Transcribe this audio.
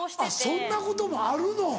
そんなこともあるの。